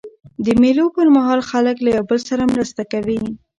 د مېلو پر مهال خلک له یو بل سره مرسته کوي.